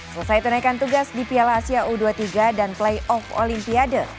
selesai tunaikan tugas di piala asia u dua puluh tiga dan playoff olimpiade